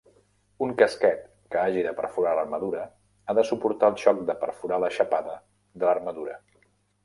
Un casquet que hagi de perforar l'armadura ha de suportar el xoc de perforar la xapada de l'armadura.